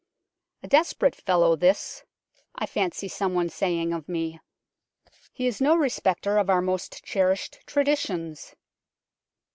" A desperate fellow, this," I fancy someone 136 UNKNOWN LONDON saying of me, "he is no respecter of our most cherished traditions."